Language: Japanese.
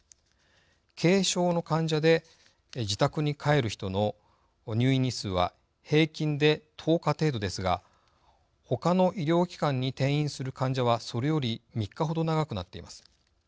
軽症の患者で自宅に帰る人の入院日数は平均で１０日程度ですがほかの医療機関に転院する患者はそれより３日ほど長くなっています。